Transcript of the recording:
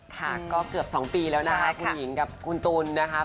ค่ะก็เกือบ๒ปีแล้วนะคะคุณหญิงกับคุณตุ๋นนะครับ